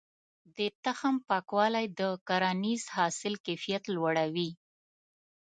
د تخم پاکوالی د کرنیز حاصل کيفيت لوړوي.